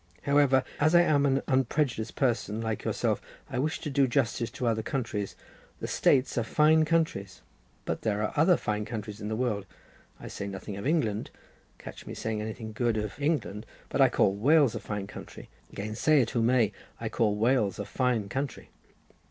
However, as I am an unprejudiced person, like yourself, I wish to do justice to other countries—the States are fine countries—but there are other fine countries in the world. I say nothing of England; catch me saying anything good of England; but I call Wales a fine country: gainsay it who may, I call Wales a fine country."